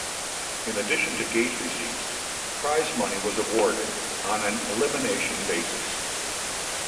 In addition to gate receipts, prize money was awarded on an elimination basis.